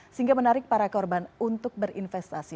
sehingga menarik para korban untuk berinvestasi